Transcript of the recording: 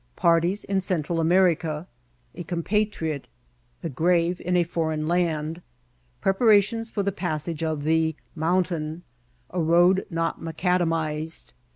— Parties in Central America.— A Compatriot— A Grave in a Foreign Land.— Preparations for tbe Passage of '* the Monntain.'' A Road not Macad amized.